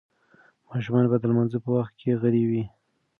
ماشومان باید د لمانځه په وخت کې غلي وي.